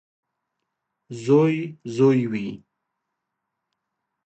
• زوی زوی وي.